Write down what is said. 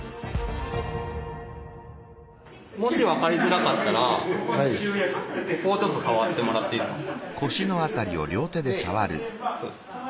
もし分かりづらかったらここをちょっと触ってもらっていいですか？